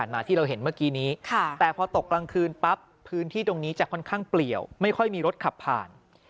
ไม่ค่อยมีรถขับผ่าน